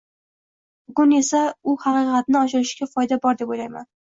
Bugun esa bu haqqatning ochilishida foyda bor deb o'ylayman